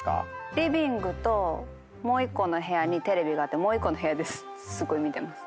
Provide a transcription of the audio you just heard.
リビングともう１個の部屋にテレビがあってもう１個の部屋ですごい見てます。